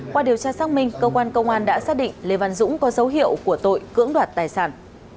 qua điều tra xác minh cơ quan công an đã xác định lê văn dũng có dấu hiệu của tội cưỡng đoạt tài sản